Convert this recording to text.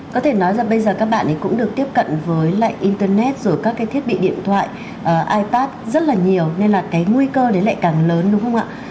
có thể nói rằng bây giờ các bạn ấy cũng được tiếp cận với lại internet rồi các cái thiết bị điện thoại ipard rất là nhiều nên là cái nguy cơ đấy lại càng lớn đúng không ạ